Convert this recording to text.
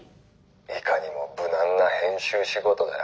「いかにも無難な編集仕事だよ」。